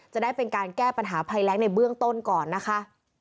จะได้เป็นการแก้ปัญหาภัยแรงในเบื้องต้นก่อนนะคะ